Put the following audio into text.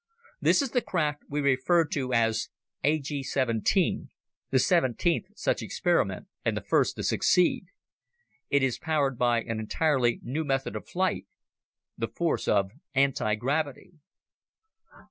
This is the craft we refer to as A G 17, the seventeenth such experiment, and the first to succeed. It is powered by an entirely new method of flight, the force of anti gravity."